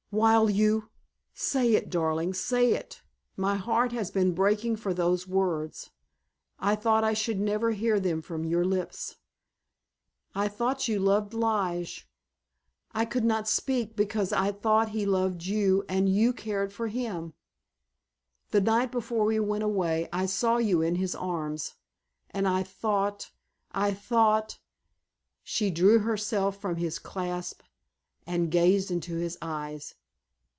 "While you—say it, darling, say it; my heart has been breaking for those words! I thought I should never hear them from your lips. I thought you loved Lige. I could not speak because I thought he loved you and you cared for him. The night before we went away I saw you in his arms, and I thought—I thought——" She drew herself from his clasp and gazed into his eyes.